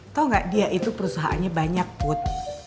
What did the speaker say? tau gak dia itu perusahaannya banyak put